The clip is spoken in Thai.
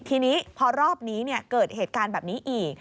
ทีนี้พอรอบนี้เกิดเหตุการณ์แบบนี้อีก